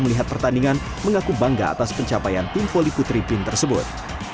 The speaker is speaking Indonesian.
melihat pertandingan mengaku bangga atas pencapaian tim voli putri bin tersebut